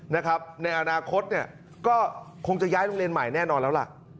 ในอนาคตเนี่ยก็คงจะย้ายโรงเรียนใหม่แน่นอนแล้วล่ะ